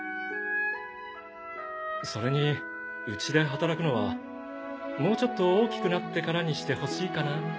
それにうちで働くのはもうちょっと大きくなってからにしてほしいかなぁ。